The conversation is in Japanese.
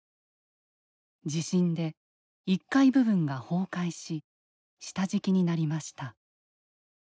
地震で１階部分が崩壊し下敷きになりました。